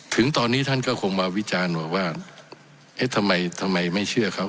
ถึงตอนนี้ท่านก็คงมาวิจารณ์ว่าทำไมไม่เชื่อเขา